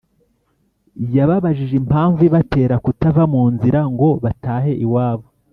yababajije impamvu ibatera kutava mu nzira ngo batahe iwabo.